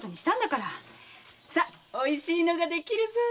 おいしいのができるぞー！